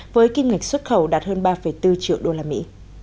với kim ngạch xuất khẩu đạt hơn ba bốn triệu đô la mỹ